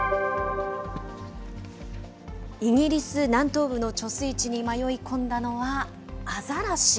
イギリス南東部の貯水池に迷い込んだのはアザラシ。